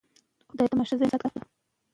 چېرته خلک خپل نظر څرګندوي؟